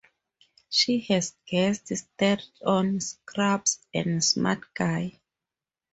She has guest-starred on "Scrubs" and "Smart Guy".